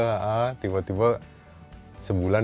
artinya ama kontenya essay nya langsung minggu minggu dan